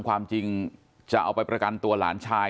ความจริงจะเอาไปประกันตัวหลานชาย